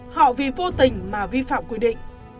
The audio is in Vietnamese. họ vì vô tình mà vi phạm quy định